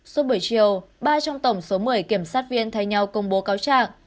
suốt buổi chiều ba trong tổng số một mươi kiểm sát viên thay nhau công bố cáo trạng